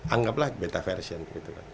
anggaplah beta version gitu